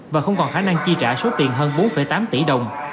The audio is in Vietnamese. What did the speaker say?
và không còn khả năng chi trả số tiền hơn bốn tám tỷ đồng